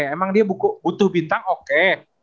emang dia butuh bintang oke